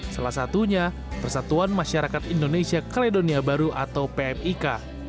salah satunya persatuan masyarakat indonesia kaledonia baru atau pmik